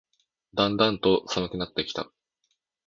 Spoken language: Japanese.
だんだんと寒くなってきた